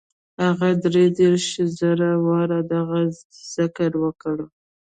هغه دري دېرش زره واره دغه ذکر وکړ.